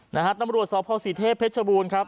นะฮะตำรวจสภศรีเทพเพชรบูรณ์ครับ